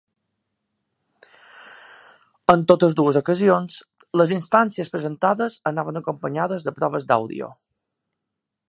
En totes dues ocasions, les instàncies presentades anaven acompanyades de proves d’àudio.